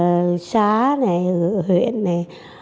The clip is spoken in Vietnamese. ở đoàn thanh niên huyện crong park